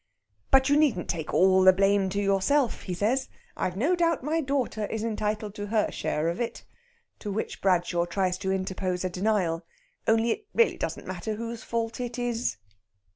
"But you needn't take all the blame to yourself," he says. "I've no doubt my daughter is entitled to her share of it" to which Bradshaw tries to interpose a denial "only it really doesn't matter whose fault it is."